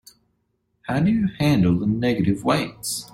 How do you handle the negative weights?